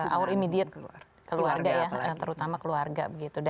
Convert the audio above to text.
our immediate keluarga ya terutama keluarga